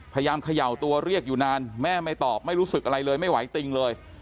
เขย่าตัวเรียกอยู่นานแม่ไม่ตอบไม่รู้สึกอะไรเลยไม่ไหวติงเลย